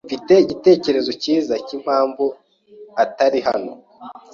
Mfite igitekerezo cyiza cyimpamvu atari hano.